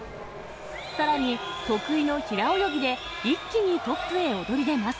さらに得意の平泳ぎで一気にトップへ躍り出ます。